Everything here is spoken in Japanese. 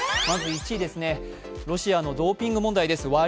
まず１位、ロシアのドーピング問題です。